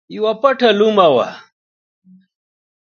یوه پټه لومه وه.